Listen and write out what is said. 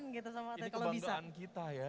ini kebanggaan kita ya